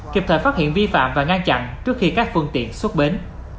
kịp thời phát hiện vi phạm và ngăn chặn trước khi các phương tiện xuất bến